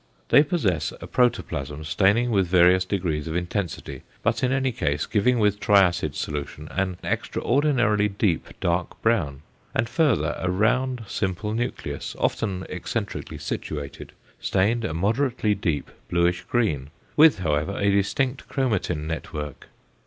They possess a protoplasm staining with various degrees of intensity, but in any case giving with triacid solution an extraordinarily deep dark brown, and further a round simple nucleus often eccentrically situated, stained a moderately deep bluish green, with however a distinct chromatin network.